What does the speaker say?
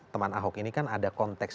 teman ahok ini kan ada konteks